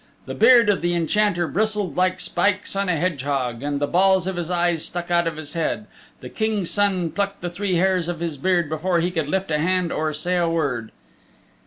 The beard of the Enchanter bristled like spikes on a hedgehog, and the balls of his eyes stuck out of his head. The King's Son plucked the three hairs of his beard before he could lift a hand or say a word.